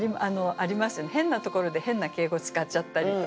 変なところで変な敬語使っちゃったりとか。